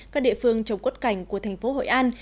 các địa phương trồng quất cảnh của thành phố hội an